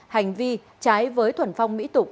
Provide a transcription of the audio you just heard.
hành vi trái với thuần phong mỹ tục